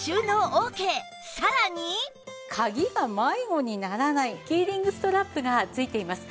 さらに鍵が迷子にならないキーリングストラップが付いています。